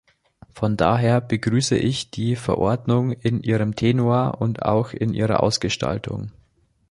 Von daher begrüße ich die Verordnung in ihrem Tenor und auch in ihrer Ausgestaltung.